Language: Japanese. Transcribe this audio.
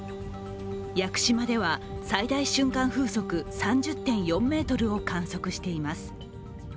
屋久島では最大瞬間風速３０．４メートルを観測しています。